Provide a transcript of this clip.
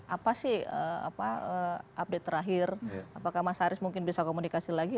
apa sih update terakhir apakah mas haris mungkin bisa komunikasi lagi